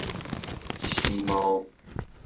吸貓